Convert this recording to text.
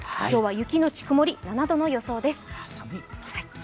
今日は雪のち曇り７度の予想です。